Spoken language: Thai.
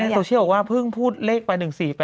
โซเชียลบอกว่าเพิ่งพูดเลขไป๑๔๘